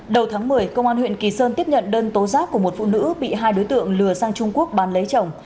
đầu tháng một mươi công an huyện kỳ sơn tiếp nhận đơn tố giác của một phụ nữ bị hai đối tượng lừa sang trung quốc bán lấy chồng